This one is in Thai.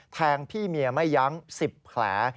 แทงพี่เมียไม่ยั้ง๑๐แผล